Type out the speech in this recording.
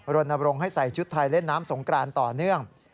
รณรงค์ให้ใส่ชุดไทยเล่นน้ำสงกรานต่อเนื่อง